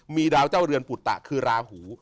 มีดาวเจ้าเรือนปุตตะคือราหู